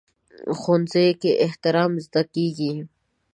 ښوونځی کې احترام زده کېږي